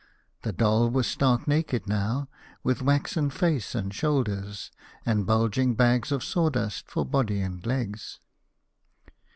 The doll was stark naked now, with waxen face and shoulders, and bulging bags of sawdust for body and legs.